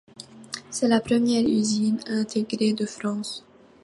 C'est la première usine intégrée de France.